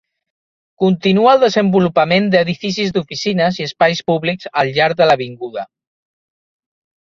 Continua el desenvolupament d'edificis d'oficines i espais públics al llarg de l'avinguda.